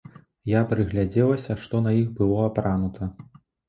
Я прыглядзелася, што на іх было апранута.